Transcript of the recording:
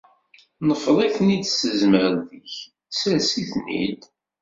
Nfeḍ-iten-id s tezmert-ik, ssers-iten-id.